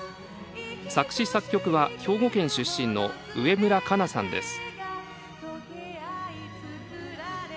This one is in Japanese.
作詞・作曲は兵庫県出身の植村花菜さんです。